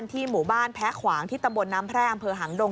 ที่หมู่บ้านแพ้ขวางที่ตำบลน้ำแพร่อำเภอหางดง